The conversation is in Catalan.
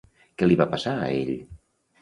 Què li va passar a ell?